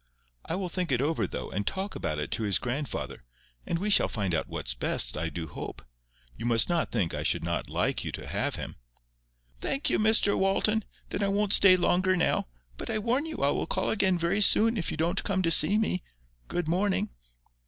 "I will think it over, though, and talk about it to his grandfather, and we shall find out what's best, I do hope. You must not think I should not like you to have him." "Thank you, Mr Walton. Then I won't stay longer now. But I warn you I will call again very soon, if you don't come to see me. Good morning."